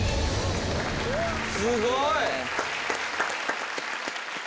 すごい。